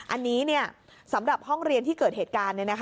อันนี้สำหรับห้องเรียนที่เกิดเหตุการณ์